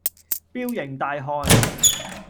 彪形大漢